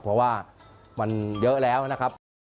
เพราะว่ามันเยอะแล้วนะครับ